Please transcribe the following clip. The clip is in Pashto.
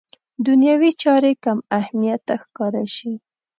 دنیوي چارې کم اهمیته ښکاره شي.